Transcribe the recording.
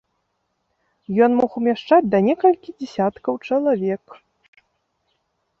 Ён мог умяшчаць да некалькі дзесяткаў чалавек.